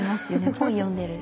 本読んでる。